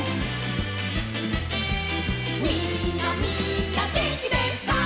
「みんなみんなげんきですか？」